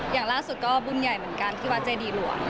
อย่างล่าสุดก็บุญใหญ่เหมือนกันที่วัดเจดีหลวง